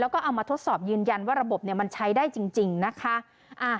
แล้วก็เอามาทดสอบยืนยันว่าระบบมันใช้ได้จริงนะคะ